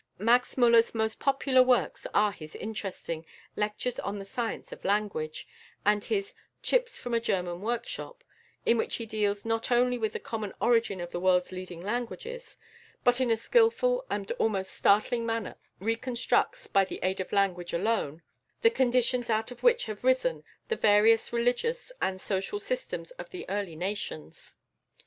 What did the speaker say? Max Müller's most popular works are his interesting "Lectures on the Science of Language," and his "Chips from a German Workshop," in which he deals not only with the common origin of the world's leading languages, but in a skilful and almost startling manner reconstructs, by the aid of language alone, the conditions out of which have risen the various religious and social systems of the early nations.